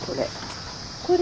これ。